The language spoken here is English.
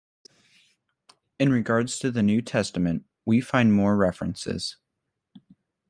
In regards to the New Testament we find more references.